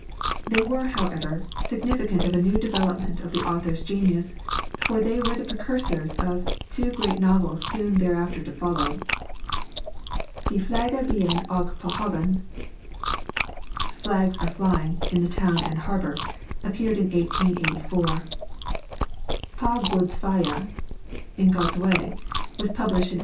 They were, however, significant of a new development of the author's genius, for they were the precursors of two great novels soon thereafter to follow. 'Det Flager i Byen og paa Havnen' (Flags are Flying in Town and Harbor) appeared in 1884. (Paa Guds Veje) (In God's Way) was published in 1889.